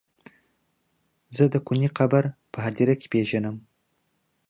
زه د کوني قبر په هديره کې پيژنم.